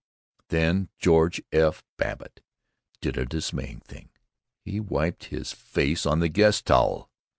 Then George F. Babbitt did a dismaying thing. He wiped his face on the guest towel!